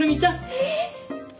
えっ！